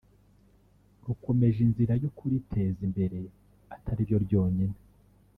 rukomeje inzira yo kuriteza imbere atari ryo ryonyine